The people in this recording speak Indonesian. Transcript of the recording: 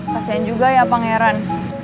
kasian juga ya pangeran